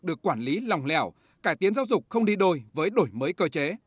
được quản lý lòng lẻo cải tiến giáo dục không đi đôi với đổi mới cơ chế